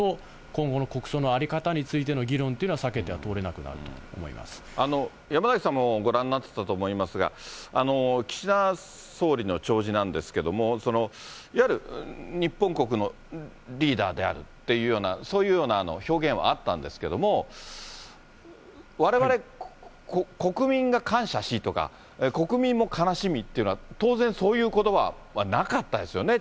今後の国葬の在り方についての議論っていうのは避けては通れなく山崎さんも、ご覧になってたと思いますが、岸田総理の弔辞なんですけれども、いわゆる日本国のリーダーであるっていうような、そういうような表現はあったんですけれども、われわれ国民が感謝しとか、国民も悲しみっていうのは、当然そういうことばはなかったですよね。